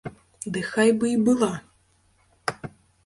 Ды хай бы й была.